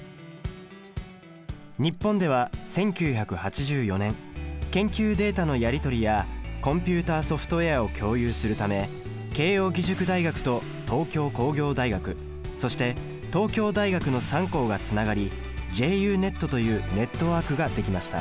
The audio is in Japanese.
日本では１９８４年研究データのやり取りやコンピュータソフトウエアを共有するため慶應義塾大学と東京工業大学そして東京大学の３校がつながりＪＵＮＥＴというネットワークが出来ました。